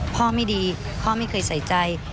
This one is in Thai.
พ่อไม่ดีพ่อไม่เคยใส่ใจ